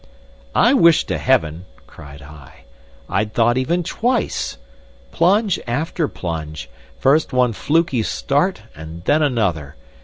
"I wish to heaven," cried I, "I'd thought even twice! Plunge after plunge. First one fluky start and then another.